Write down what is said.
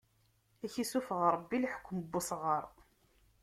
Ad k-issufeɣ Ṛebbi leḥkem n usɣaṛ!